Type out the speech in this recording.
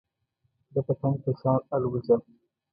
د پتنګ په شان الوځه .